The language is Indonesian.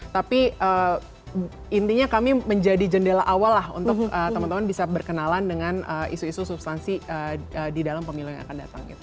tapi intinya kami menjadi jendela awal lah untuk teman teman bisa berkenalan dengan isu isu substansi di dalam pemilu yang akan datang